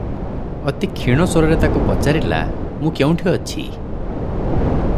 ଅତି କ୍ଷୀଣ ସ୍ୱରରେ ତାକୁ ପଚାରିଲା, "ମୁଁ କେଉଁଠି ଅଛି?